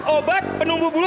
obat penumbuh bulu